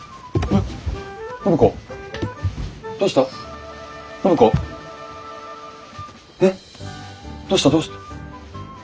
えっどうしたどうした？